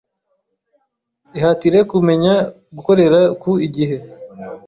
ihatire, kumenya gukorera ku igihe